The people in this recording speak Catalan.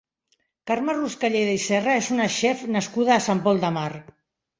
Carme Ruscalleda i Serra és una chef nascuda a Sant Pol de Mar.